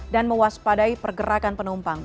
dan mewaspadai pergerakan penumpang